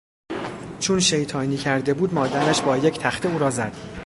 چون شیطانی کرده بود مادرش با یک تخته او را زد.